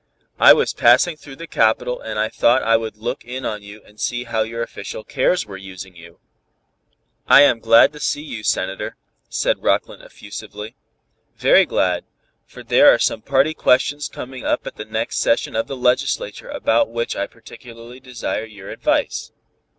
"I was passing through the capital and I thought I would look in on you and see how your official cares were using you." "I am glad to see you, Senator," said Rockland effusively, "very glad, for there are some party questions coming up at the next session of the Legislature about which I particularly desire your advice."